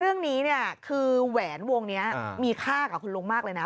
เรื่องนี้เนี่ยคือแหวนวงนี้มีค่ากับคุณลุงมากเลยนะ